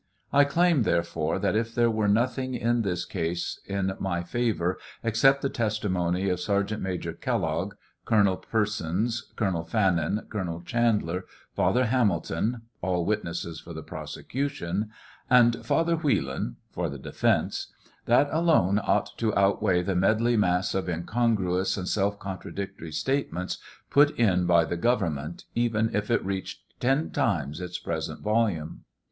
I claim, therefore, that if there were nothing in this case in my favor except the testimony of Sergeant Major Kellogg, Colonel Per sons, Colonel Fannin, Colonel Chandler, Father Hamilton, (all witnesses for the prosecution,) and Father Wheelan, (for the defence,) that alone ought to outweigh the medley mass of incongruous and self contradictory statements put in by the government, even if it reached ten times its present volume.